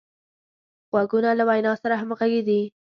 غوږونه له وینا سره همغږي دي